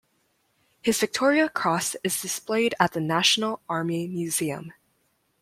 His Victoria Cross is displayed at the National Army Museum.